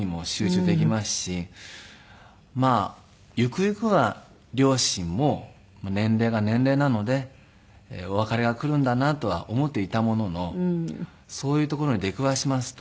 まあゆくゆくは両親も年齢が年齢なのでお別れが来るんだなとは思っていたもののそういうところに出くわしますと。